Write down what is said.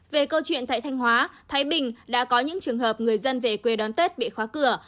về câu chuyện tại thanh hóa thái bình đã có những trường hợp người dân về quê đón tết bị khóa cửa